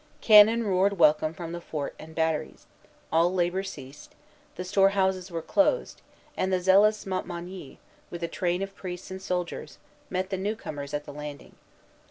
Cannon roared welcome from the fort and batteries; all labor ceased; the storehouses were closed; and the zealous Montmagny, with a train of priests and soldiers, met the new comers at the landing.